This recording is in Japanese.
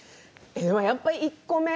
やっぱり１個目。